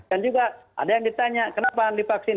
dan juga ada yang ditanya kenapa anda dipaksin